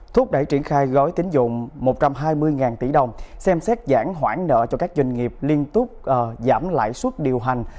thuốc đẩy triển khai gói tín dụng một trăm hai mươi tỷ đồng xem xét giãn hoãn nợ cho các doanh nghiệp liên tục giảm lại suất điều hành